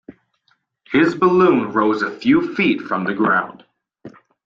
His balloon rose a few feet from the ground.